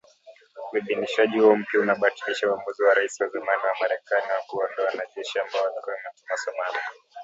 Uidhinishaji huo mpya unabatilisha uamuzi wa Rais wa zamani wa Marekani wa kuwaondoa wanajeshi ambao walikuwa wametumwa Somalia